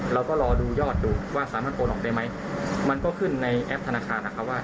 เราก็รอดูยอดดูว่าสามารถโอนออกได้ไหมมันก็ขึ้นในแอปธนาคารนะครับว่า